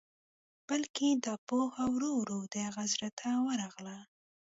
بلکې دا پوهه ورو ورو د هغه زړه ته ورغله.